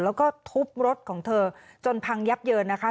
แล้วก็ทุบรถของเธอจนพังยับเยินนะคะ